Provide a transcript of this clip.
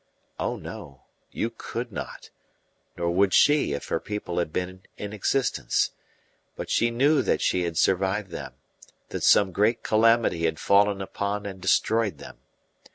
Oh no, you could not; nor would she if her people had been in existence. But she knew that she had survived them, that some great calamity had fallen upon and destroyed them.